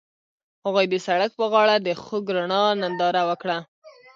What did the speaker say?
هغوی د سړک پر غاړه د خوږ رڼا ننداره وکړه.